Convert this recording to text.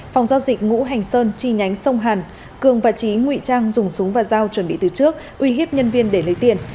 phòng giao dịch ngũ hành sơn chi nhánh sông hàn cường và trí nguy trang dùng súng và dao chuẩn bị từ trước uy hiếp nhân viên để lấy tiền